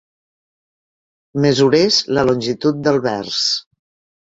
Mesurés la longitud del vers.